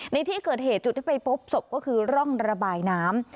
ในที่เกิดเหตุจุดที่ไปพบศพก็คือร่องระบายน้ำ